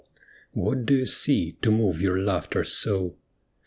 What do you see to move your laughter so?